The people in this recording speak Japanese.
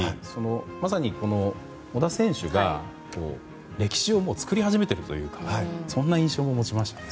まさに小田選手が歴史を作り始めているというかそんな印象も持ちました。